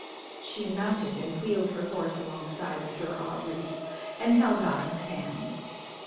She mounted and wheeled her horse alongside of Sir Aubrey's, and held out her hand.